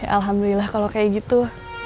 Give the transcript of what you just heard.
alhamdulillah kalau kayak gitu